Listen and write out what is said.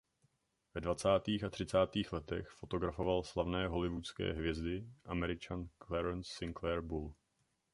Ve dvacátých a třicátých letech fotografoval slavné hollywoodské hvězdy Američan Clarence Sinclair Bull.